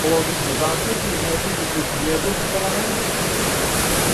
Положите заклетву и изнесите свој приједлог у парламенту.